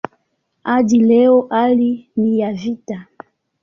Hadi leo hali ni ya vita.